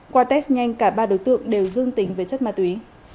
qua test nhanh cả ba đối tượng đều dương tính với chất ma túy